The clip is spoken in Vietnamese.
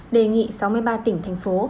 đề nghị sáu mươi ba tỉnh thành phố